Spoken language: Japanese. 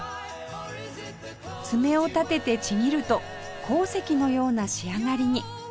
爪を立ててちぎると鉱石のような仕上がりに